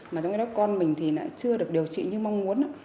mà trong khi đó con mình thì chưa được điều trị như mong muốn